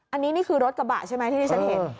อันนี้นี่คือรถกระบะใช่ไหมที่ที่ฉันเห็น